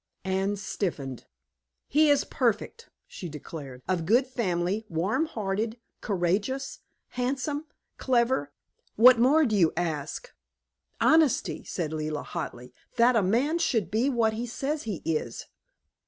Anne stiffened. "He is perfect," she declared. "Of good family, warm hearted, courageous, handsome, clever what more do you ask?" "Honesty," said Leila hotly. "That a man should be what he says he is."